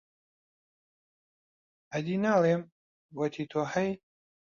ئەدی ناڵێم، وەتی تۆ هەی،